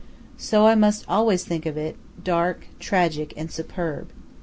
So I must always think of it, dark, tragic, and superb.